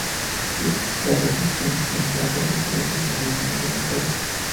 La radiación infrarroja se asocia generalmente con el calor.